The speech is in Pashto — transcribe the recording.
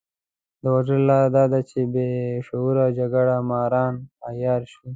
د وژلو لاره دا ده چې بې شعوره جګړه ماران عيار شي.